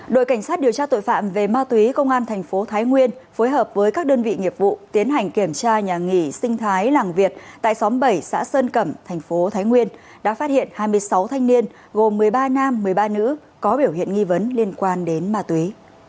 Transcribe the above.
đội cảnh sát điều tra tội phạm về ma túy công an thành phố thái nguyên phối hợp với các đơn vị nghiệp vụ tiến hành kiểm tra nhà nghỉ sinh thái làng việt tại xóm bảy xã sơn cẩm thành phố thái nguyên đã phát hiện hai mươi sáu thanh niên gồm một mươi ba nam một mươi ba nữ có biểu hiện nghi vấn liên quan đến ma túy